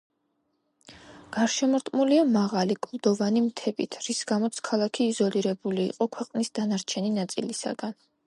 გარშემორტყმულია მაღალი კლდოვანი მთებით, რის გამოც ქალაქი იზოლირებული იყო ქვეყნის დანარჩენი ნაწილისაგან.